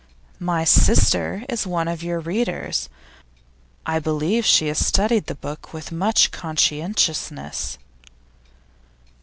'My sister is one of your readers. I believe she has studied the book with much conscientiousness.